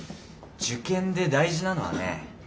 受験で大事なのはね